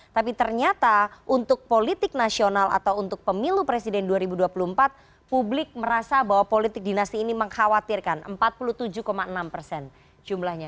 tapi ternyata untuk politik nasional atau untuk pemilu presiden dua ribu dua puluh empat publik merasa bahwa politik dinasti ini mengkhawatirkan empat puluh tujuh enam persen jumlahnya